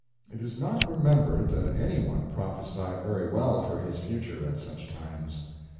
It is not remembered that any one prophesied very well for his future at such times.